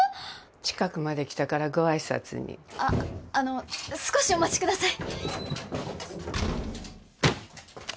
近くまで来たからご挨拶にあっあの少しお待ちください